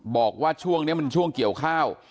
บอกว่าช่วงนี้มันช่วงเกี่ยวข้าว